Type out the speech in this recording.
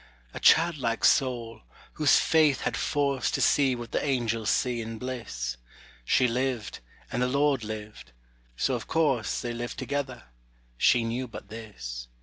A childlike soul, whose faith had force To see what the angels see in bliss: She lived, and the Lord lived; so, of course, They lived together, she knew but this.